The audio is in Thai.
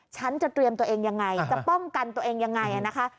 ฉันจะเตรียมตัวเองยังไงจะป้องกันตัวเองยังไงนะคะ